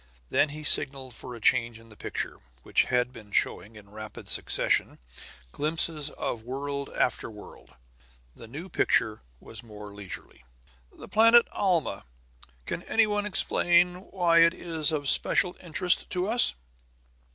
Then he signaled for a change in the picture, which had been showing, in rapid succession, glimpses of world after world. The new picture was more leisurely. "The planet Alma. Can any one explain why it is of special interest to us?"